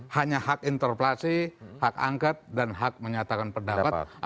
hanya hak interpelasi hak angket dan hak menyatakan pendapat